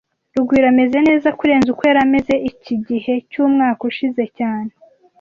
Rugwiro ameze neza kurenza uko yari ameze iki gihe cyumwaka ushize cyane